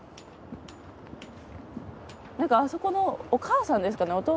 なんかあそこのお母さんですかね。